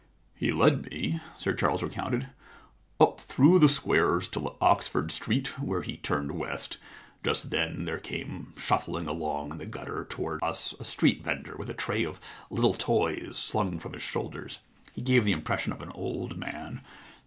* He led me,' Sir Charles recounted, * up through the squares to Oxford Street, where he turned west. Just then there came shuf fling along in the gutter towards us a street vendor with a tray of little toys slung from his shoulders. He gave me the impression of an old man.